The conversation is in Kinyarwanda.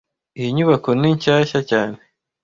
Iyi nyubako ni shyashya cyane